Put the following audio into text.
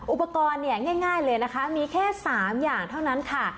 อุปกรณ์เนี่ยง่ายเลยนะคะมีแค่๓อย่างเท่านั้นค่ะ